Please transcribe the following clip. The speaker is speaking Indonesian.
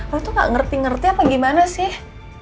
aku tuh gak ngerti ngerti apa gimana sih